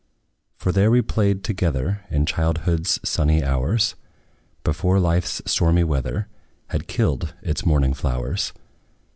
For there we played together, In childhood's sunny hours; Before life's stormy weather Had killed its morning flowers.